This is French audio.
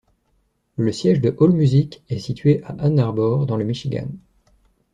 Le siège de AllMusic est situé à Ann Arbor, dans le Michigan.